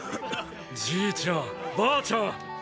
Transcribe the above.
じいちゃんばあちゃん。